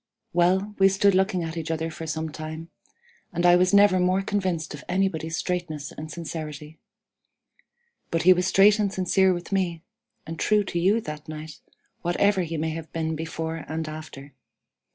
"Well, we stood looking at each other for some time, and I was never more convinced of anybody's straightness and sincerity; but he was straight and sincere with me, and true to you that night, whatever he may have been before and after.